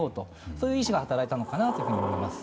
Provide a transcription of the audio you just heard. そういう意思が働いたのかなと思います。